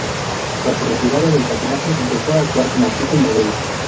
Tras su retirada del patinaje, empezó a actuar como artista y modelo.